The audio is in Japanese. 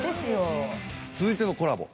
続いてのコラボ